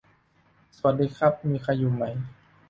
สวัสดีครับ มีใครอยู่ไหม